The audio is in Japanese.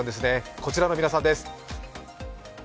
こちらの皆さんです。